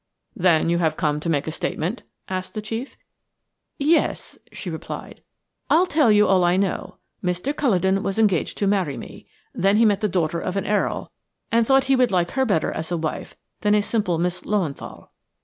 "Then you have come to make a statement?" asked the chief. "Yes," she replied; "I'll tell you all I know. Mr. Culledon was engaged to marry me; then he met the daughter of an earl, and thought he would like her better as a wife than a simple Miss Löwenthal.